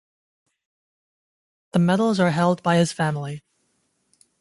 The medals are held by his family.